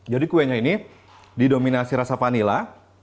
jadi kuenya ini didominasi rasa vanila